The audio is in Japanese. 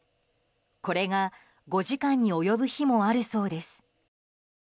これが５時間に及ぶ日もあるそうです。